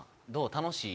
楽しい？